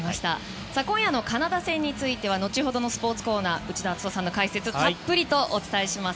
今夜のカナダ戦については後ほどのスポーツコーナーで内田篤人さんの解説でたっぷりとお伝えします。